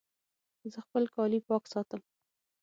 زه خپل کالي پاک ساتم